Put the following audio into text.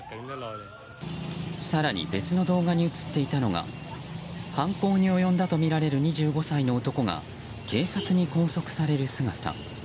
更に、別の動画に映っていたのが犯行に及んだとみられる２５歳の男が警察に拘束される姿。